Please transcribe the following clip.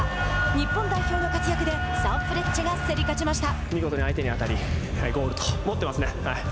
日本代表の活躍でサンフレッチェが競り勝ちました。